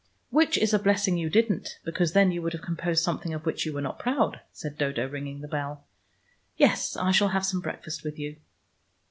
"Which is a blessing you didn't, because then you would have composed something of which you were not proud," said Dodo, ringing the bell. "Yes, I shall have some breakfast with you.